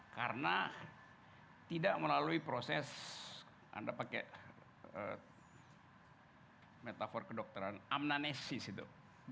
karena tidak melalui proses anda pakai metafor kedokteran amnonesis itu